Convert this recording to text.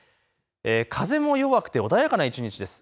風も弱くて穏やかな一日です。